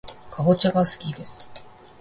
かぼちゃがすきです